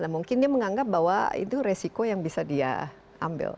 mungkin dia menganggap bahwa itu resiko yang bisa dia ambil